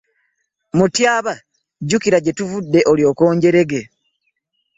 Mutyaba jjukira gye tuvudde olyoke onjerege.